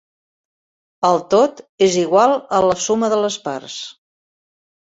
El tot és igual a la suma de les parts.